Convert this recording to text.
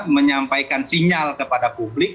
menyampaikan sinyal kepada publik